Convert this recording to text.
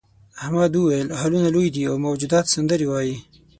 احمد وویل هالونه لوی دي او موجودات سندرې وايي.